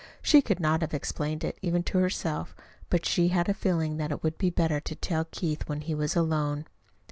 She could not have explained it even to herself, but she had a feeling that it would be better to tell Keith when he was alone.